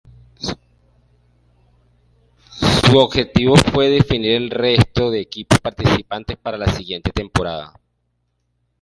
Su objetivo fue definir el resto de equipos participantes para la siguiente temporada.